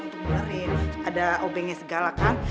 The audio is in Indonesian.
untuk menarik ada obengnya segala kan